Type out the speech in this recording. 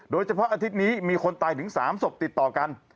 อาทิตย์นี้มีคนตายถึง๓ศพติดต่อกัน